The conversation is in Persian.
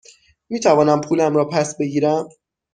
می توانم پولم را پس بگیرم؟